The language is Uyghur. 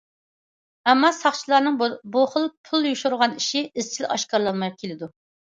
ئەمما ساقچىلارنىڭ بۇ خىل پۇل يوشۇرغان ئىشى ئىزچىل ئاشكارىلانماي كېلىدۇ.